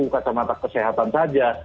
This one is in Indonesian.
kacamata kesehatan saja